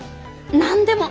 何でも！